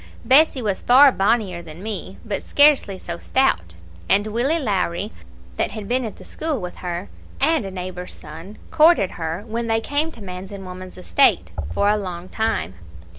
Bessie was far bonnier than me, but scarcely so stout; and Willie Lowrie, that had been at the school with her, and a neighbour's son, courted her, when they came to man's and woman's estate, for a long time.